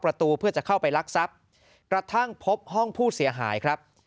ประตูเพื่อจะเข้าไปลักทรัพย์กระทั่งพบห้องผู้เสียหายครับ